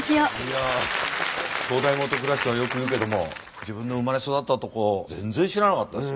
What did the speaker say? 「灯台下暗し」とはよく言うけども自分の生まれ育った所全然知らなかったです。